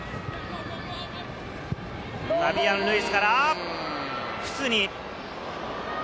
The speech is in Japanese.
ファビアン・ルイスからフスニ。